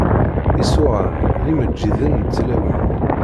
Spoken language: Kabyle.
Isuɣan d yimeǧǧiden n tlawin.